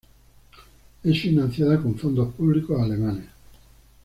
Es financiada con fondos públicos alemanes.